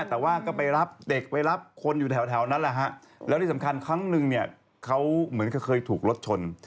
แต่ว่าก็ไปรับเด็กไปรับคนอยู่แถวนั้นแหละฮะแล้วที่สำคัญครั้งนึงเนี่ยเขาเหมือนกับเคยถูกรถชน